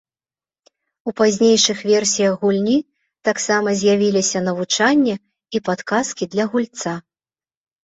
У пазнейшых версіях гульні таксама з'явіліся навучанне і падказкі для гульца.